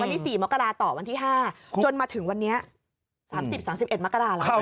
วันนี้๔มต่อวันที่๕จนมาถึงวันเนี้ย๓๐๓๑มลงไป